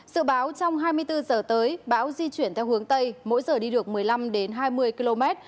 sự báo trong hai mươi bốn giờ tới bão di chuyển theo hướng tây mỗi giờ đi được một mươi năm hai mươi km